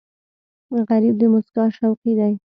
غریب د موسکا شوقي دی